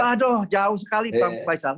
waduh jauh sekali bang faisal